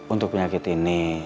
untuk penyakit ini